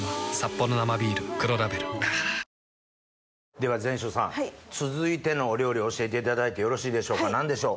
では膳所さん続いてのお料理教えていただいてよろしいでしょうか何でしょう？